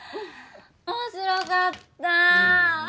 面白かった。